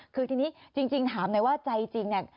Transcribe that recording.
คือทีนี้จริงถามหน่อยว่าใจจริงเนี่ย